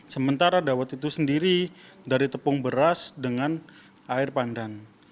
sementara dawet itu sendiri dari tepung beras dengan air pandan